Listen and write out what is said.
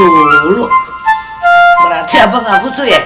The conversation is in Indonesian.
nguruh berarti abang ngaku suyek